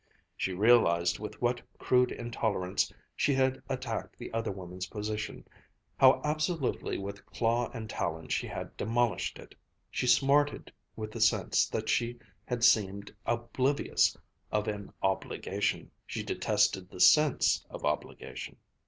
She realized with what crude intolerance she had attacked the other woman's position, how absolutely with claw and talon she had demolished it. She smarted with the sense that she had seemed oblivious of an "obligation." She detested the sense of obligation.